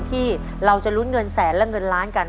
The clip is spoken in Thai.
ที่เราจะลุ้นเงินแสนและเงินล้านกัน